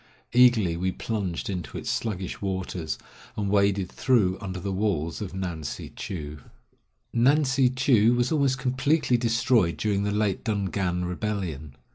Eagerly we plunged into its sluggish waters, and waded through under the walls of Ngan si chou. Ngan si chou was almost completely destroyed during the late Dungan rebellion.